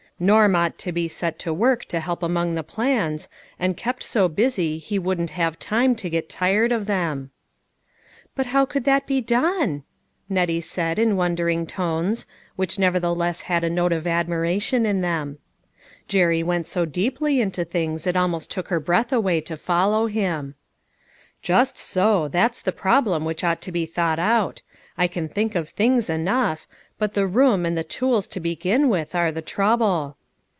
Norm ought to be set to work to help along the plans, and kept so busy he wouldn't have time to get tired of them." " But how could that be done ?" Nettie said in wondering tones, which nevertheless had a note of admiration in them. Jerry went so deeply into things, it almost took her breath away to follow him. 334 BEADY TO TBY. 335 " Just so ; that's the problem which ought to be thought out. I can think of things enough ; but the room, and the tools to begin with, are the trouble."